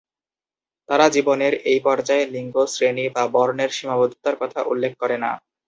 তারা জীবনের এই পর্যায়ে লিঙ্গ, শ্রেণী বা বর্ণের সীমাবদ্ধতার কোন উল্লেখ করে না।